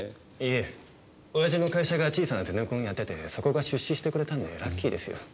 いえ親父の会社が小さなゼネコンをやっててそこが出資してくれたんでラッキーですよ。